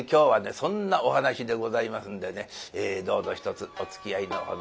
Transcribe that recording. そんなお噺でございますんでねどうぞひとつおつきあいのほどを。